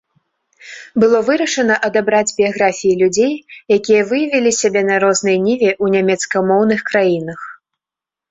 Было вырашана адабраць біяграфіі людзей, якія выявілі сябе на рознай ніве ў нямецкамоўных краінах.